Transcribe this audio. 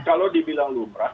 kalau dibilang lumrah